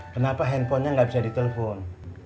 kenapa handphonenya nggak bisa ditelepon